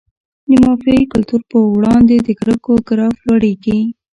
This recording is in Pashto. د مافیایي کلتور په وړاندې د کرکو ګراف لوړیږي.